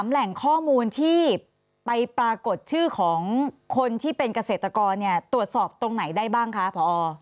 แหล่งข้อมูลที่ไปปรากฏชื่อของคนที่เป็นเกษตรกรตรวจสอบตรงไหนได้บ้างคะพอ